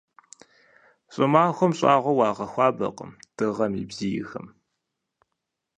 ЩӀымахуэм щӀагъуэ уагъэхуабэркъым дыгъэм и бзийхэм.